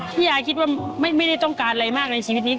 ยายคิดว่าไม่ได้ต้องการอะไรมากในชีวิตนี้